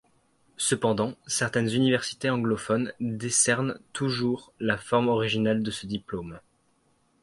Cependant, certaines universités anglophones décernent toujours la forme originale de ce diplôme.